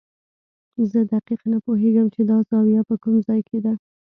زه دقیق نه پوهېږم چې دا زاویه په کوم ځای کې ده.